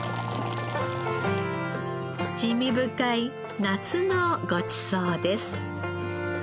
滋味深い夏のごちそうです。